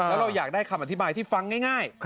แล้วเราอยากได้คำอธิบายที่ฟังง่าย